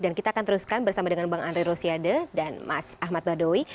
dan kita akan teruskan bersama dengan bang andri rosiade dan mas ahmad badoi